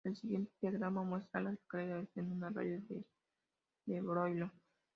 El siguiente diagrama muestra a las localidades en un radio de de Byron.